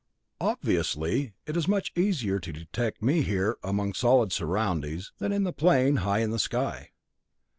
Obviously it is much easier to detect me here among solid surroundings, than in the plane high in the sky.